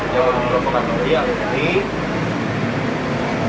yang provokatornya alumni